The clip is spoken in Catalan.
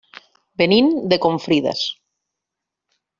Venim de Confrides.